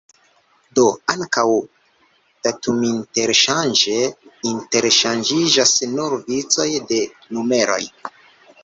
Do ankaŭ datuminterŝanĝe interŝanĝiĝas nur vicoj de numeroj.